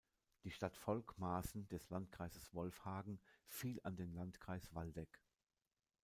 Die Stadt Volkmarsen des Landkreises Wolfhagen fiel an den Landkreis Waldeck.